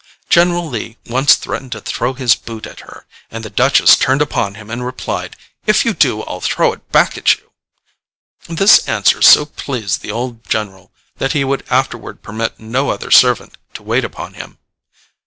General Lee once threatened to throw his boot at her, and the Duchess turned upon him and replied, "If you do I'll throw it back at you." This answer so pleased the old general that he would afterward permit no other servant to wait upon him.